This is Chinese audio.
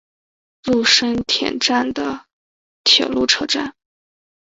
入生田站的铁路车站。